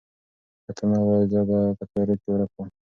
که ته نه وای، زه به په تیارو کې ورک وم.